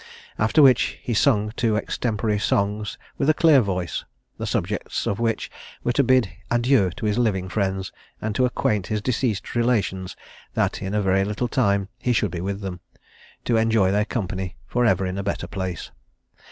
After which he sung two extempore songs with a clear voice; the subjects of which were to bid adieu to his living friends, and to acquaint his deceased relations that in a very little time he should be with them, to enjoy their company for ever in a better place.